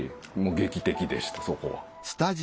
劇的でしたそこは。